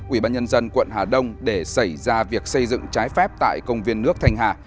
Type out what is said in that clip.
ubnd quận hà đông để xảy ra việc xây dựng trái phép tại công viên nước thanh hà